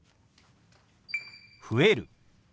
「増える」。